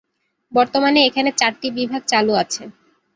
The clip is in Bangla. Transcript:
বর্তমানে এখানে চারটি বিভাগ চালু আছে।